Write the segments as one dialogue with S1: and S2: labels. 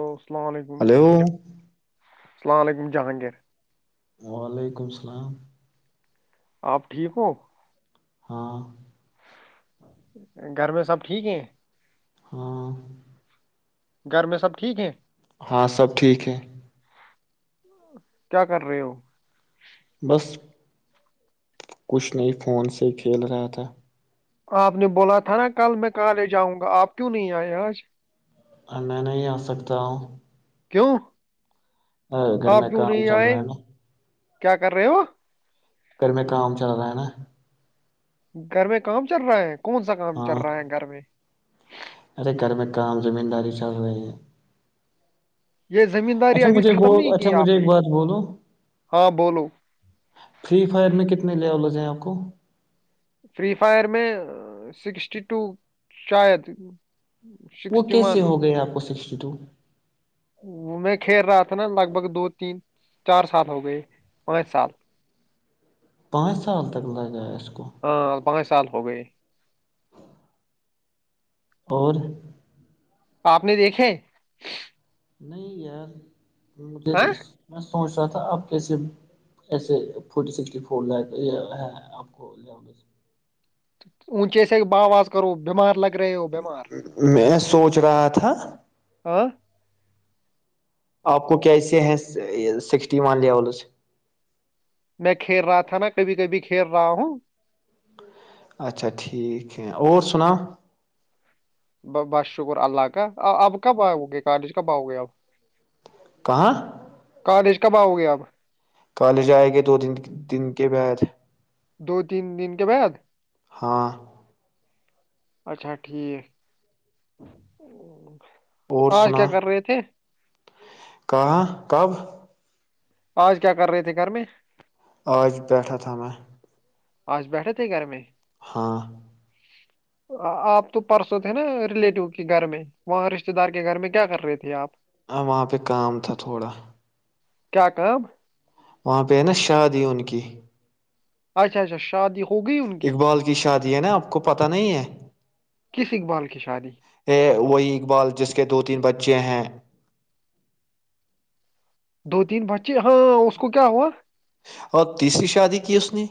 S1: ا [inaudible] السلام علیکم
S2: ہلو
S1: ج السلام علیکم جہانگیر
S2: وعلیکم السلام
S1: آپ ٹھیک ہو
S2: ہاں
S1: گھر میں سب ٹھیک ہے
S2: ہاں
S1: گھر میں سب ٹھیک ہیں
S2: ہاں سب ٹھیک ہے
S1: کیا کر رہے ہو
S2: بس کچھ نہیں فون سے کھیل رہا تھا
S1: آپ نے بولا تھا نا کل میں کالج آؤں گا آپ کیوں نہیں آئے آج
S2: میں نہیں آ سکتا ہوں
S1: کیوں
S2: ا گھر
S1: آپ
S2: میں
S1: کیوں
S2: کام
S1: نہیں
S2: چل
S1: آئے
S2: رہا ہے نا
S1: کیا کر رہے ہو
S2: گھر میں کام چل رہا ہے نا
S1: گھر میں کام چل رہا ہے کون سا کام چل
S2: ہاں
S1: رہا ہے گھر میں ج [inaudible]
S2: ارے گھر میں کام زمین داری چل رہ ہیں
S1: یہ زمینداری
S2: اچھا
S1: ابھی
S2: مجھے ب
S1: ختم نہیں
S2: اچھا
S1: کی
S2: مجھے
S1: آپ
S2: ایک
S1: نے
S2: بات بولو
S1: ہاں بولو
S2: فری فائر میں کتنے لیولز ہیں رکو [inaudible]
S1: فری فائر میں سکسٹی ٹو شاید
S2: وہ
S1: سکسٹی ون
S2: کیسے ہو گئے آپ کو سکسٹی ٹو
S1: کھیر رہا تھا نا لگ بھگ دو تین چار سال ہو گئے پانچ سال
S2: پانچ سال تک لگ جائے
S1: ہاں پانچ سال ہو گئے
S2: اور
S1: آپ نے دیکھے
S2: نہیں یار ہ
S1: ہاں
S2: [unintelligible] [inaudible] سوچ رہا تھا آپ کیسے ایسے فورٹی سکسٹی فور لاک ہے آپ کو لے میں سے
S1: اونچیس با آواز کرو ب بیمار لگے
S2: میں سوچ رہا تھا
S1: ہاں
S2: آپ کو کیسے ہیں سکسٹی ون لیولز
S1: میں کھیل رہا تھا نا کبھی کبھی کھیر رہا ہوں
S2: اچھا ٹھیک ہے اور سنا
S1: بس شکر اللہ کا اب کب آؤ گے کالج کب آؤ گے اب
S2: کہاں
S1: الج کب آؤ گے آپ
S2: کالج آئے گے دو دن دن کے بعد
S1: دو تین دن کے بعد
S2: ہاں
S1: اچھا ٹھیک
S2: اور
S1: آج کیا
S2: سنا
S1: کر رہے تھے
S2: کہاں کب
S1: آج کیا کر رہے تھے گھر میں
S2: عج پڈہ تھامہ
S1: آج بیٹھے تھے گھر میں
S2: ہاں
S1: آپ تو پرسوں تھے نا ریلیٹو کے گھر میں وہاں رشتتے دار کے گھر میں کیا کر رہے تھے آپ
S2: ہاں وہاں پہ کام تھا تھوڑا
S1: کیا کا
S2: وہاں پہ ہے نا شادی ان کی
S1: اچھا اچھا شادی ہو گئی ان
S2: اقبال کی شادی ہے نا آپ کو پتا نہیں ہے
S1: کس اقبال کی شادی
S2: ا وہی اقبال جس کے دو تین بچے بچے ہیں
S1: دو تین بچے ہاں اس کو کیا ہوا
S2: اور تیسری شادی کی اس نے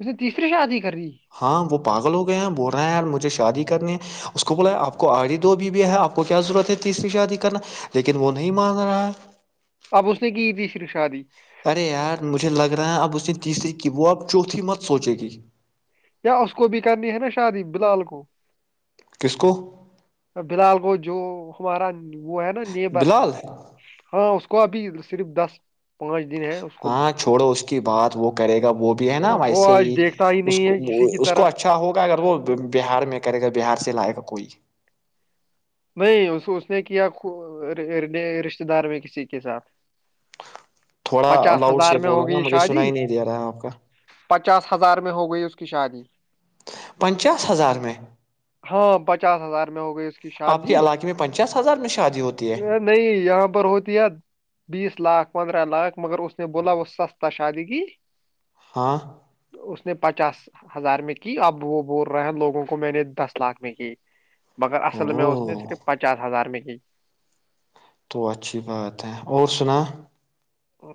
S1: اس نے تیسری شادی کر دی
S2: ہاں وہ پاگل ہو گیا ہیں بول رہے ہیں یار مجھے شادی کرنی ہے اس کو بولا آپ کو آری دو بیویا ہے آپ کو کیا ضرورت ہے تیسری شادی کرنا لیکن وہ نہیں مان رہا ہے
S1: اب اس نے کی تھی صرف شادی
S2: ارے یار مجھے لگ رہا ہے اب اس نے تیسری کی وہ اب چوتھی مت سوچے گی
S1: یا اس کو بھی کرنی ہے نا شادی بلال کو
S2: کس کو
S1: بلحال کو جو ہمارا وہ ہے نا نیبر
S2: بلال
S1: ہاں اس کو کو ابھی صرف دس پانچ دن ہے اس کو
S2: ہاں چھوڑو اس کی بات وہ کرے گا وہ بھی ہے نا
S1: وہ
S2: ویسے
S1: آج
S2: ہی
S1: دیکھتا
S2: اس
S1: نہیں ہے کسی کی
S2: اس کو
S1: طرف
S2: اچھا ہوگا اگر وہ بہار میں کرے گا بہار سے لائے گا کوئی
S1: نہیں اس اس نے کیا رشتہ دار میں کسی کے ساتھ
S2: تھوڑا
S1: پچاس
S2: لاؤڈ
S1: ہزار
S2: سے
S1: میں
S2: بولو نا
S1: ہوگئی
S2: مجھے سنا
S1: شادی
S2: ہی نہیں دے رہا ہے آپ کا
S1: پچاس ہزار میں ہو گئی اس کو کی شادی
S2: پنچاس ہزار میں
S1: [unintelligible] ہاں پچاس ہزار میں ہو گئی اس کی
S2: آپ کے علاقے میں پنچاس ہزار میں شادی ہوتی ہے
S1: نہیں یہاں پر ہوتی ہے بیس لاکھ پندرہ لاکھ مگر اس نے بولا وہ سستا شادی کی
S2: ہاں
S1: اس نے پچاس ہزار میں کی اب وہ بول رہے ہیں لوگوں کو میں نے دس لاکھ میں کی مگر میں اس نے
S2: او
S1: صرف پچاس ہزار میں کیا جی [unintelligible]
S2: تو اچھی بات ہے اور سنا
S1: ہ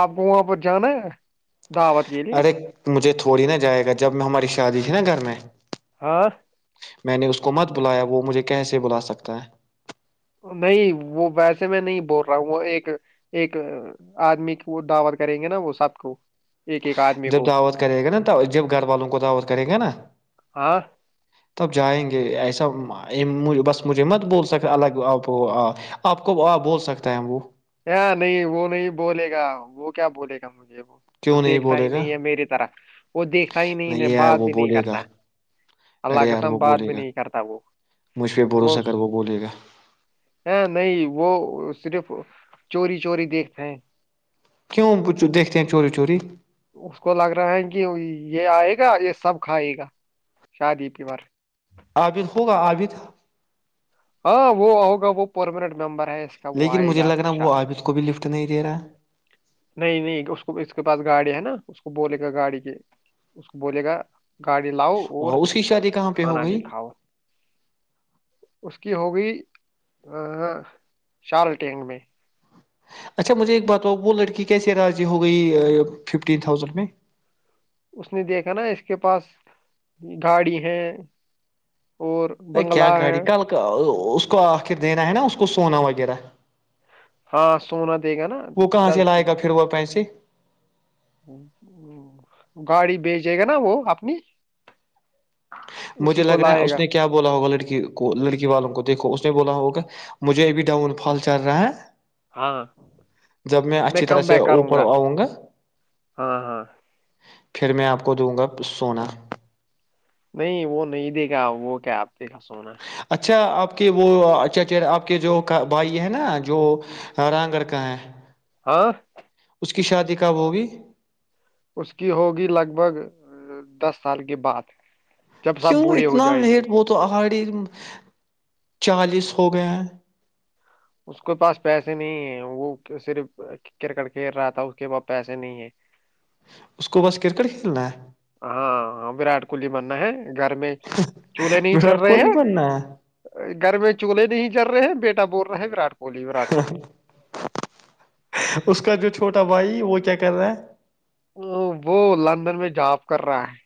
S1: آپ کو وہاں پر جانا ہے دعوت کے لیے
S2: ارے مجھے تھوڑی نہا جائے گا جب میں ہماری ا دی ہےھی نا گھر میں
S1: آاں [unintelligible]
S2: میں نے اس کو مت بلایا وہ مجھے کیسے بلا سکتا ہے
S1: نہیں وہ ویسے میں نہیں بول رہا ہوں وہ ایک ایک آدمی کی وہ دعوت کریں گے نا وہ سب کو ایک ایک آدمی
S2: جب
S1: کو
S2: دعوت کرے گا نا تو جب گھر والوں کو دعوت کریں گے نا
S1: ہاں
S2: تب جائیں گے ایسا بس مجھے مت بول سک الگ آپ آپ کب آ بول سکتا ہے وہ
S1: نہیں وہ نہیں بولے گا وہ کیا بولے گا مجھے وہ
S2: کیوں
S1: دیکھتا ہی
S2: بولے گا
S1: نہیں ہے میری طرف وہ دیکھتا ہی نہیں ہے
S2: یار
S1: بات
S2: وہ
S1: بھی نہیں
S2: بولے گا
S1: کرتا
S2: ارے
S1: اللہ کے
S2: یار
S1: سام
S2: وہ
S1: بات
S2: بولے
S1: بھی
S2: گا
S1: نہیں کرتا وہ
S2: مجھ پہ
S1: وہ
S2: بھروسہ کر بولے گا
S1: ہ نہیں وہ اس چوری چوری دیکھتے ہیں
S2: کیوں دیکھتے ہیں چوری چوری
S1: اس کو لگ رہا ہے کہ یہ آئے گا یہ سب کھائے گا شادی پ بار
S2: عابد ہوگا عابد ہے
S1: ہاں وہ ہوگا وہ پرمنٹ ممبر ہے اس کا
S2: لیکن
S1: وائے
S2: مجھے
S1: گا
S2: لگ رہا
S1: اشا
S2: وہ عابد کو بھی لفٹ نہیں دے رہا
S1: نہیں نہیں اس کو اس کے پاس گاڑی ہے نا اس کو بولے گا گاڑی کے اس کو بولے گا گاڑی لاؤ اور
S2: وہ اس کی شادی کہاں پہ ہو
S1: کھانا بھی
S2: گئی
S1: کھاؤ اس کی ہوگئی ا شال ٹینگ میں
S2: اچھا مجھے ایک بتاؤ وہ لڑکی کیسے راضی ہو گئی ففٹین تھاؤزینڈ میں
S1: اس نے دیکھا نا اس کے پاس گاڑی ہے اور
S2: ا کیا
S1: بنگلہ
S2: گاڑی
S1: ہے
S2: کل کا اس کو آخر دینا ہے نا اس کو سونا وغیرہ
S1: ہاں سونا دے گا نا
S2: وہ کہاں
S1: دس
S2: سے لائے گا پھر وہ پیسے
S1: گاڑی بھیج جائے گا نا وہ اپنی
S2: مجھے
S1: اسی کو
S2: لگ رہا ہے
S1: لائے
S2: اس
S1: گا
S2: نے کیا بولا ہوگا لڑکی کو لڑکی والوں کو دیکھو اس نے بولا ہوگا مجھے ابھی ڈاؤن فال چل رہا ہے
S1: ہاں
S2: جب
S1: میں
S2: اچھی
S1: کم
S2: طرح
S1: ب
S2: سے
S1: کروں
S2: اوپر
S1: گا
S2: آؤں
S1: ہاں ہاں
S2: پھر میں آپ کو دوں گا سونا
S1: نہیں وہ نہیں دے گا وہ کیا آپ ھیکسونا
S2: اچھا آپ کے وہ اچا اچ آپ کے جو بھائی ہے نا جو رانگگر کا ہے
S1: ہاں
S2: اس کی شادی کا وہو بھیی
S1: اس کی ہوگی لگ بھگ دس سال کے بعد جب سب
S2: کیوں
S1: بوڑھے ہو
S2: اتنا
S1: جائیں
S2: لیٹ
S1: گے
S2: وہ تو آہاڑی چالیس ہو گئے ہیں
S1: اس کے پاس پیسے نہیں ہے وہ صرف کرکٹ کھیل رہا تھا اس کے پاس پیسے نہیں ہے
S2: اس کو بس کرکٹ کھیلنا ہے
S1: ہاں ہاں وراٹ کوہلی ماننا ہے گھر میں چولہے نہیں جر
S2: وراٹ
S1: رہے
S2: کوہلی
S1: ہیں
S2: بننا ہے
S1: گھر میں چولہے نہیں جر رہے ہیں بیٹے بول رہے ہیں گرٹ کو کوہلی ووراٹ کوہلی
S2: اس کا جو چھوٹا بھائی وہ کیا کر رہا ہے
S1: ہ وہ لندن میں جاب کر رہا ہے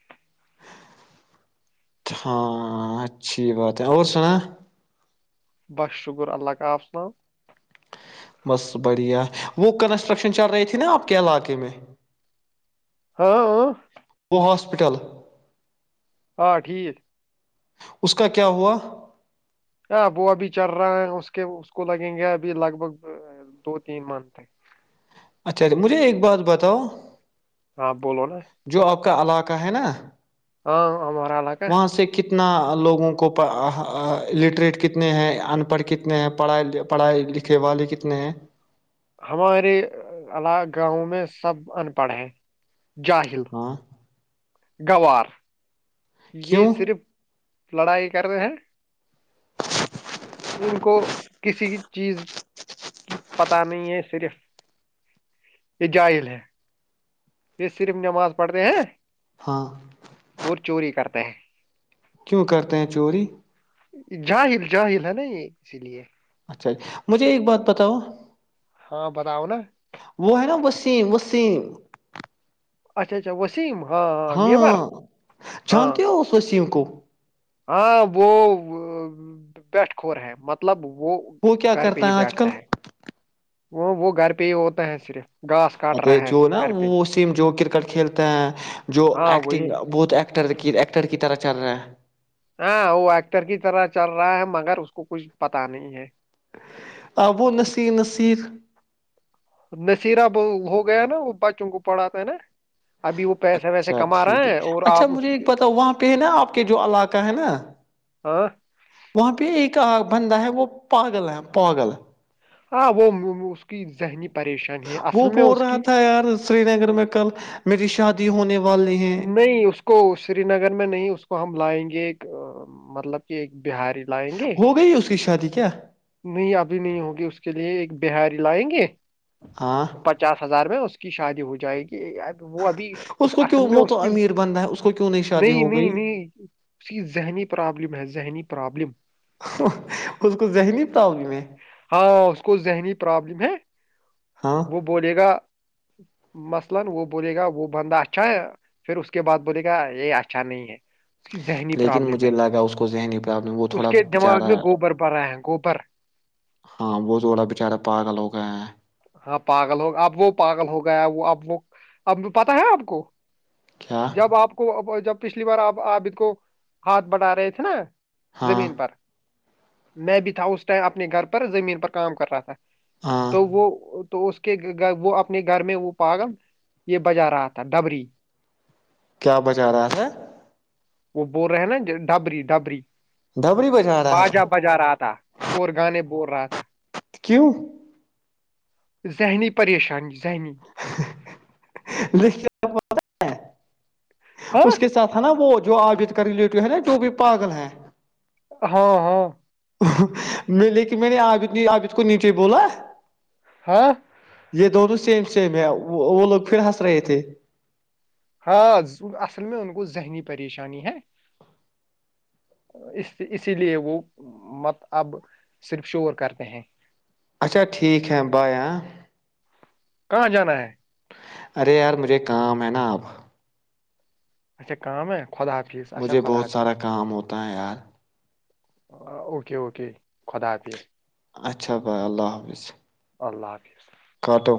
S2: ہاں اچھی بات ہے اور سنا
S1: بس شکر اللہ کاالیسلان
S2: بس بڑھیا وہ کنسٹرکشن چل رہی تھی نا آپ کے علاقے میں
S1: ہاں ہ
S2: وہ ہاسپٹل
S1: ہاں ٹھیک
S2: اس کا کیا ہوا
S1: ہاں وہ ابھی چل رہا ہے اس کے اس کو لگیں گے ابھی لگ بھگ دو تین من تک
S2: اچھا مجھے ایک بات بتاؤ
S1: ہاں بولو نا
S2: جو آپ کا علاقہ ہے نا
S1: ہاں آ مار ل کا
S2: وہاں سے کتنا لوگوں کو الٹریٹ کتنے ہیں ان پڑھ کتنے ہیں پڑھائی لکھے والے کتنے ہیں
S1: ہمارے گاؤں میں سب ان پڑھ ہیں جاہل
S2: ہاں
S1: گوار یہ
S2: کیوں
S1: صرف لڑائی کر رہے ہیں ان کو کسی چیز کی پتہ نہیں ہے صرف یہ جاہل ہے یہ صرف نماز پڑھ رہے ہیں
S2: ہاں
S1: اور چوری کرتے ہیں
S2: کیوں کرتے ہیں چوری
S1: جاہل جہل ہے نا یہ اسی لیے
S2: اچھا مجھے ایک بات بتاؤ
S1: ہاں بتاؤ نا
S2: م وسیم
S1: اچھا اچھا وہ
S2: ہاں
S1: ہاں
S2: جانتے ہو اس وی کو
S1: ہاں وہ بیٹھ کور ہے مطلب
S2: وہ کیا
S1: گھر پہ
S2: کرتا
S1: ہی
S2: ہے آج کل
S1: بیٹھتا وہ وہ گھر پہ ہی ہوتا ہے صرف گھاس
S2: ا
S1: کاٹ رہا ہے
S2: جو نا
S1: گھر پہ
S2: وہ سیم جو کرکٹ کھیلتے ہیں جو
S1: ہاں وہی
S2: ایکٹنگ بہت ٹر ایکٹر کی طرح چل رہا ہے
S1: ہاں وہ ایکٹر کی طرح چل رہا ہے مگر اس کو کچھ پتا نہیں ہے
S2: ابو نصیر نصیر
S1: نشیرہ ب ہو گیا نا وہ بچوں کو پڑھاتا ہے نا ابھی وہ پیسے ویسے
S2: اچھا
S1: کما
S2: ٹھیک
S1: رہا
S2: ہے
S1: اور
S2: اچھا
S1: آپ اس
S2: مجھے
S1: کے
S2: ایک پتا وہاں پہ ہے نا آپ کے جو علاقہ ہے نا
S1: ہاں
S2: وہاں پہ ایک بندا ہے وہ پاگل ہے پاگل
S1: ہاں وہ اس کی ذہنی پریشانی ہے
S2: وہ
S1: اصل میں
S2: بول
S1: اس
S2: رہا
S1: کی
S2: تھا یار سری نگر میں کل میری شادی ہونے وال
S1: نہیں اس کو سری نگر میں نہیں اس کو ہم لائیں گے یہ ایک مطلب کہ ایک بہاری لائیں گے
S2: ا کیا
S1: نہیں ابھی نہیں ہوگی اس کے لیے ایک بہاری لائیں گے
S2: ہاں
S1: پچاس ہزار میں اس کی شادی ہو جائے گی کہ اب وہ ابھی اس
S2: کو
S1: اصل
S2: کیوں
S1: میں
S2: وہ
S1: اس
S2: تو
S1: کی
S2: امیر بندہ ہے اس کو کیوں شادی
S1: نہیں
S2: ہو
S1: نہیں
S2: گئی
S1: نہیں اس کی ذہنی پرابلم ہے ذہنی پرابلم
S2: اس کو ذہنی پرابلم ہے
S1: ہاں اس کو ذہنی پرابلم ہے
S2: ہاں
S1: وہ بولے گا مثلا وہ بولے گا وہ بندہ اچھا ایا پھر اس کے بعد بولے گا اے اچھا نہیں کی ذہنی
S2: لیکن
S1: پرابلم ہے
S2: مجھے لگا اس کو ذہنی پرابلم وہ
S1: اس
S2: تھوڑا
S1: کے دماغ
S2: بچارا
S1: میں گوبر پڑ رہا ہے گوبر
S2: ہاں وہ جووڑا بچارا پاغ لوگا ہے
S1: ہاں پاگل ہوگیا اب وہ پاگل ہو گیا وہ اب وہ اب پتا ہے آپ کو
S2: کیا
S1: جب آپ کو جب پچھلی بار آپ آپ کو ہاتھ بٹا رہے تھے نا
S2: ہاں
S1: زمین پر میں بھی تھا اسس ائم اپنے گھر پر زمین پر کام کر رہا تھا
S2: ہاں
S1: تو وہ تو اس کے وہ اپنے گھر میں وہ پاغم یہ بجا رہا تھا ڈبری
S2: کیا بچا رہا س
S1: وہ بول رہے ہیں نا ڈابری ڈابری
S2: دھبڑی رہا
S1: بجا
S2: تھا
S1: بجا رہا تھا اور گانے ب بول رہا تھا
S2: سکوں
S1: ذہنی پریشانی زنی
S2: لیکن اس کے ساتھ ہے نا وہ جو آجت کر ریلیٹو ہے نا جو بھی پاگل ہے
S1: ہاں ہاں
S2: میں لے کے میں نے آبد آابد کو نیچے بولا
S1: ہاں
S2: یہ د تو سیم سیم ہے وہ لوگ پھر ہنس رہے تھے
S1: ہاں اصل میں ان کو ذہنی پریشانی ہے اس اسی لیے وہ مت اب صرف شور کرتے ہیں
S2: اچھا ٹھیک ہے بائے ہاں
S1: کہاں جانا ہے
S2: ارے یار مجھے کام ہے نا آپ
S1: اچھا کام ہے خدا حافظ اچھا
S2: مجھے
S1: خدا
S2: بہت
S1: حافظ
S2: سارا کام ہوتا ہے یار
S1: اوکے اوکے خدا حافظ
S2: اچھا بھائی اللہ حافظ
S1: اللہ حافظ الللہ
S2: کٹو